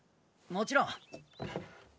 もちろん。